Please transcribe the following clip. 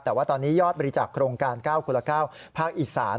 แต่ว่าตอนนี้ยอดบริจาคโครงการ๙คนละ๙ภาคอีสาน